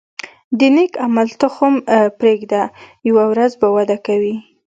د نیک عمل تخم پرېږده، یوه ورځ به وده کوي.